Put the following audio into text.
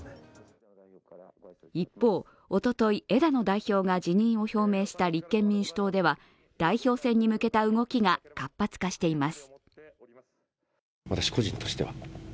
一方、おととい、枝野代表が辞任を表明した立憲民主党では代表選に向けた動きが活発化しています。